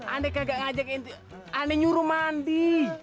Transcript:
aneh kagak ngajak inti aneh nyuruh mandi